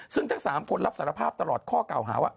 ซึ่งทั้ง๓คนรับสารภาพตลอดข้อเก่าหาว่า